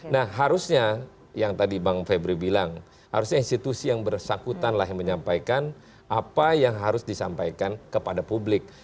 nah harusnya yang tadi bang febri bilang harusnya institusi yang bersangkutan lah yang menyampaikan apa yang harus disampaikan kepada publik